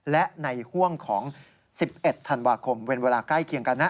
และในห่วงของ๑๑ธันวาคมเป็นเวลาใกล้เคียงกันนะ